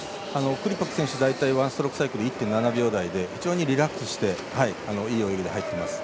クリパク選手ワンストロークサイクル１．７秒台で非常にリラックスしていい泳ぎに入っています。